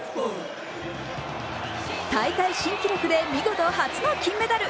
大会新記録で見事、初の金メダル。